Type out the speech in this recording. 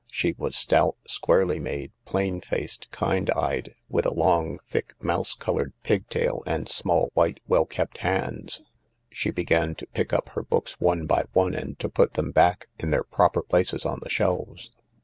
She was stout, squarely made, plain faced, kind eyed, with a long, thick, mouse coloured pigtail and small, white, well kept hands. She began to pick up her books one by one and to put them back in their proper places on the shelves.